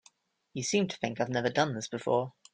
You seem to think I've never done this before.